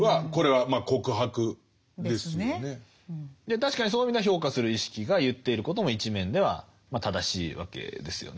確かにそういう意味では評価する意識が言っていることも一面ではまあ正しいわけですよね。